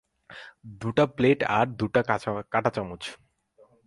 দুটা প্লেট আর দুটা কাঁটাচামচ!